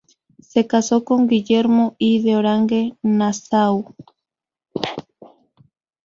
Se casó con Guillermo I de Orange-Nassau.